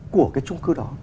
của chủ đầu tư